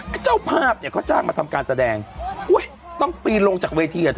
ก็เจ้าภาพเนี่ยเขาจ้างมาทำการแสดงอุ้ยต้องปีนลงจากเวทีอ่ะเธอ